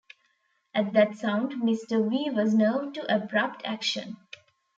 At that sound Mr. V. was nerved to abrupt action.